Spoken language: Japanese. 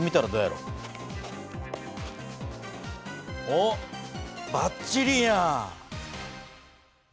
おっばっちりや！